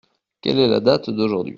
Quel est la date d’aujourd’hui ?